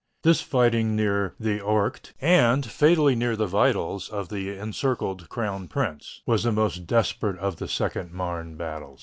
This fighting near the Ourcq, and fatally near the vitals of the encircled crown prince, was the most desperate of the second Marne battle.